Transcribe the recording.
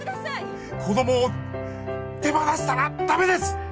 子どもを手放したらだめです。